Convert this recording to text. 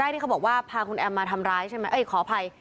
ที่เขาบอกว่าพาคุณแอมมาทำร้ายใช่ไหมเอ้ยขออภัย